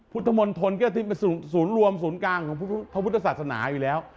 พุทธมนตรก็เป็นศูนย์รวมศูนย์กลางของพระพุทธศาสนาอยู่แล้ว